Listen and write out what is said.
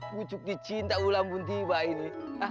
kucuk dicinta ulang buntiba ini